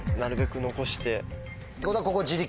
ってことはここ。